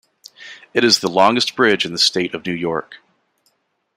It is the longest bridge in the State of New York.